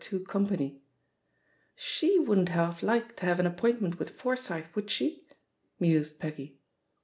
2 company. ^^She wouldn't half like to have an appointment with Forsyth, would she?'* mused Peggy.